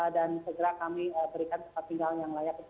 dan segera kami berikan tempat tinggal yang layak